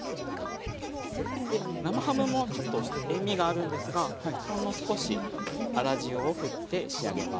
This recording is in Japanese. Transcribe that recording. で生ハムもちょっと塩みがあるんですがほんの少し粗塩をふって仕上げます。